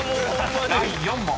［第４問］